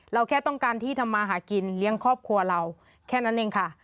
แค่ต้องการที่ทำมาหากินเลี้ยงครอบครัวเราแค่นั้นเองค่ะ